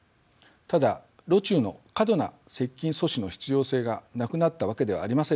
ただロ中の過度な接近阻止の必要性がなくなったわけではありませんでした。